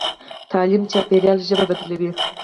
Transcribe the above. تعلیم چاپېریال ژبه بدلوي.